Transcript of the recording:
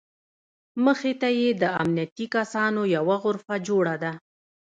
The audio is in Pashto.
مخې ته یې د امنیتي کسانو یوه غرفه جوړه ده.